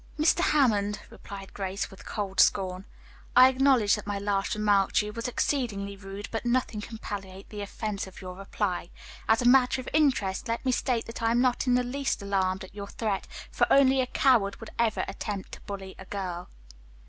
"Mr. Hammond," replied Grace with cold scorn, "I acknowledge that my last remark to you was exceedingly rude, but nothing can palliate the offense of your reply. As a matter of interest, let me state that I am not in the least alarmed at your threat, for only a coward would ever attempt to bully a girl."